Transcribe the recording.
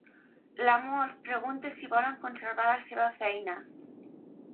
L'amo els pregunta si volen conservar la seva feina.